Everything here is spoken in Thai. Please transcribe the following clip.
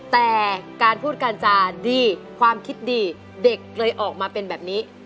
แต่การพูดการจาดีความคิดดีเด็กเลยออกมาเป็นแบบนี้